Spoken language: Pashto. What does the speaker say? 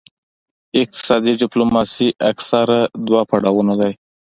اقتصادي ډیپلوماسي اکثراً دوه پړاوونه لري